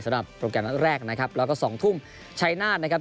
สำหรับโปรแกรมนั้นแรกนะครับแล้วก็สองทุ่มชัยนาศนะครับ